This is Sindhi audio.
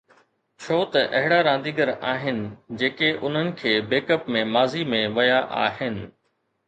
ڇو ته اهڙا رانديگر آهن جيڪي انهن کي بيڪ اپ ۾ ماضي ۾ ويا آهن